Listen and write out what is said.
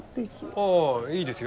ああいいですよ。